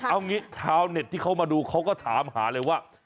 เอางี้ชาวเน็ตที่เขามาดูเขาก็ถามหาเลยว่า